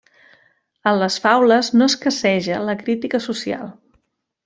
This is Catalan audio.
En les faules no escasseja la crítica social.